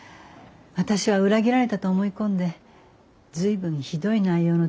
私は裏切られたと思い込んで随分ひどい内容の手紙を出しました。